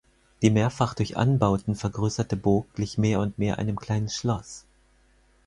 Die mehrfach durch Anbauten vergrößerte Burg glich mehr und mehr einem kleinen Schloss.